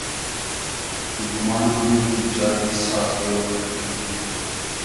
گومان نوم کی جایی سایې مۂ تو یی